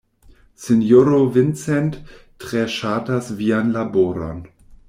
Sinjoro Vincent tre ŝatas vian laboron.